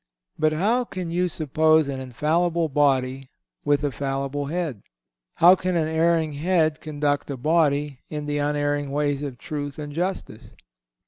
But how can you suppose an infallible body with a fallible head? How can an erring head conduct a body in the unerring ways of truth and justice?